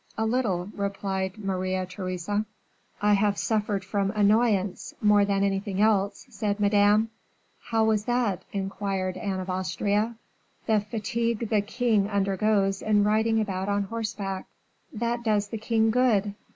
"A little," replied Maria Theresa. "I have suffered from annoyance more than anything else," said Madame. "How was that?" inquired Anne of Austria. "The fatigue the king undergoes in riding about on horseback." "That does the king good."